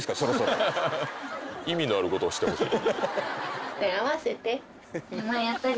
意味のあることをしてほしい。